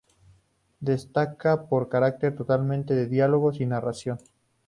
Destaca por carecer totalmente de diálogos y narración.